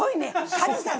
カズさん